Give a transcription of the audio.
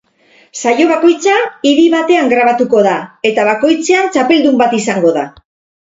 Saio bakoitza hiri batean grabatuko da eta bakoitzean txapeldun bat izango da.